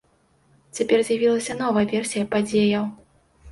Цяпер з'явілася новая версія падзеяў.